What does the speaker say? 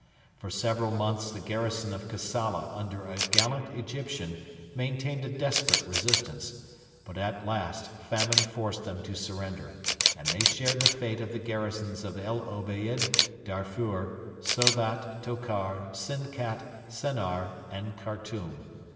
For several months the garrison of Kassala under a gallant Egyptian maintained a desperate resistance, but at last famine forced them to surrender, and they shared the fate of the garrisons of El Obeid, Darfur, Sobat, Tokar, Sinkat, Sennar, and Khartoum.